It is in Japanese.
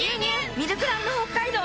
ミルクランド北海道。